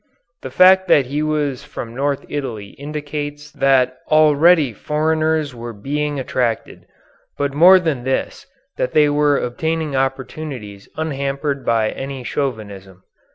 The fact that he was from North Italy indicates that already foreigners were being attracted, but more than this that they were obtaining opportunities unhampered by any Chauvinism.